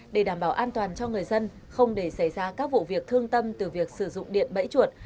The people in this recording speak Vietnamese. để đảm bảo an toàn cho người dân không để xảy ra các vụ việc thương tâm từ việc sử dụng điện bẫy chuột